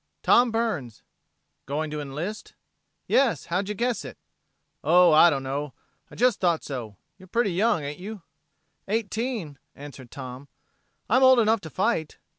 "Tom Burns." "Going to enlist?" "Yes. How'd you guess it?" "Oh, I dunno. I just thought so. You're pretty young, ain't you?" "Eighteen," answered Tom. "I'm old enough to fight."